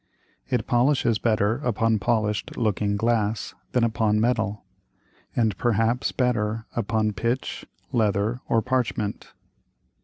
It polishes better upon polish'd Looking glass than upon Metal, and perhaps better upon Pitch, Leather or Parchment.